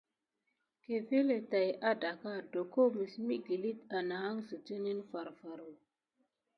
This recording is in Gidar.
Kevele tät adakiwa doko məs məgillite anahansitini farfarə.